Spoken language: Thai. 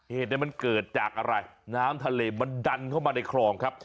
เหตุมันเกิดจากอะไรน้ำทะเลมันดันเข้ามาในคลองครับ